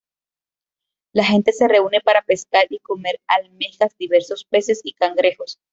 La gente se reúne para pescar y comer Almejas, diversos peces y cangrejos.